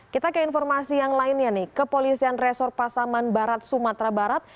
kita ke informasi yang lainnya nih kepolisian resor pasaman barat sumatera barat